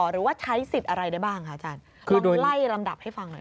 หรือว่าใช้สิทธิ์อะไรได้บ้างคะอาจารย์ลองไล่ลำดับให้ฟังหน่อย